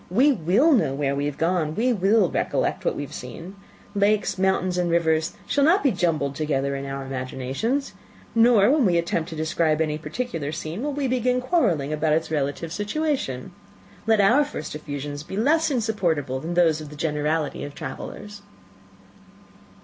We will know where we have gone we will recollect what we have seen. Lakes, mountains, and rivers, shall not be jumbled together in our imaginations; nor, when we attempt to describe any particular scene, will we begin quarrelling about its relative situation. Let our first effusions be less insupportable than those of the generality of travellers."